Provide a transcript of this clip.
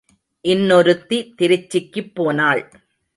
இன்னொருத்தி திருச்சிக்குப் போனாள்.